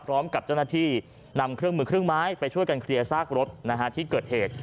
พร้อมกับเจ้าหน้าที่นำเครื่องมือเครื่องไม้ไปช่วยกันเคลียร์ซากรถที่เกิดเหตุ